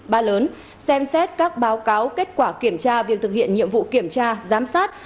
ba lớn xem xét các báo cáo kết quả kiểm tra việc thực hiện nhiệm vụ kiểm tra giám sát